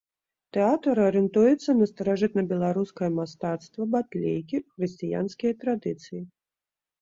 Тэатр арыентуецца на старажытнабеларускае мастацтва батлейкі, хрысціянскія традыцыі.